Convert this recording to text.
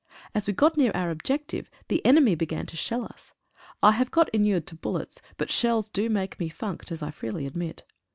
As we got near our objective the enemy began to shell us. I have got inured to bullets, but shells do make me funked, as I freely admit.